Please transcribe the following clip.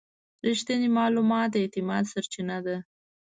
رښتینی معلومات د اعتماد سرچینه ده.